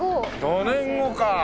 ４年後か！